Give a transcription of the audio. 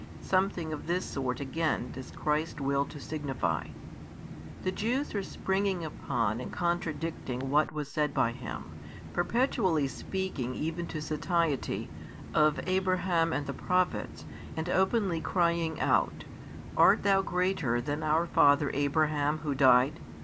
Something of this sort again does Christ will to signify. The Jews were springing upon and contradicting what was said by Him, perpetually speaking even to satiety, of Abraham and the Prophets and openly crying out, Art THOU greater than our father Abraham who died?